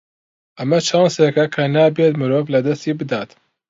ئەمە چانسێکە کە نابێت مرۆڤ لەدەستی بدات.